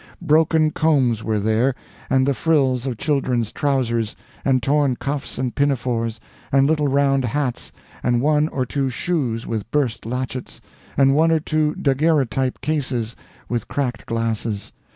Broken combs were there, and the frills of children's trousers, and torn cuffs and pinafores, and little round hats, and one or two shoes with burst latchets, and one or two daguerreotype cases with cracked glasses.